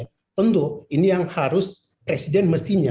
nah tentu ini yang harus presiden mestinya